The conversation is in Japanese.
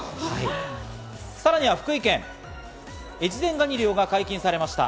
さらに福井県、越前ガニ漁が解禁されました。